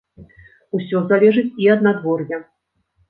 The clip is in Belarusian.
Усё залежыць і ад надвор'я.